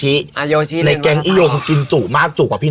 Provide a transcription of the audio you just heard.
มีใครปะนะฮี่หวี